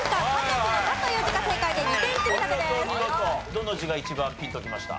どの字が一番ピンときました？